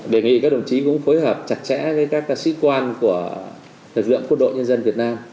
đề nghị các đồng chí cũng phối hợp chặt chẽ với các sĩ quan của lực lượng quân đội nhân dân việt nam